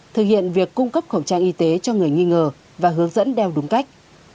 thực hiện việc cung cấp khẩu trang y tế cho người nghi ngờ và hướng dẫn đeo đúng cách